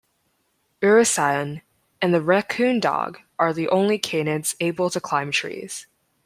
"Urocyon" and the raccoon dog are the only canids able to climb trees.